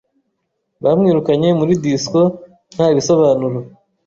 Bamwirukanye muri disco nta bisobanuro.